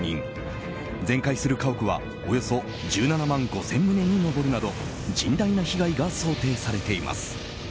全壊する家屋はおよそ１７万５０００棟に上るなど甚大な被害が想定されています。